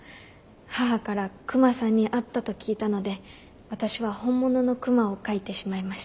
母から「クマさんに会った」と聞いたので私は本物のクマを描いてしまいました。